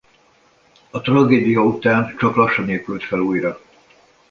A tragédia után csak lassan épült fel újra.